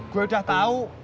gua udah tahu